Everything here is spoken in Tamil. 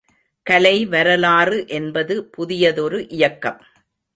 கலை வரலாறு என்பது புதியதொரு இயக்கம்.